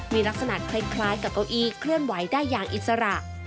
มีลักษณะคล้ายกับเก้าอี้เคลื่อนไหวได้อย่างอิสระ